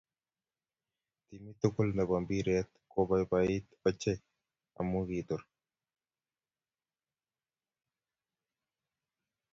Timit tugul nebo mbiret kobaibait ochey amu kitur .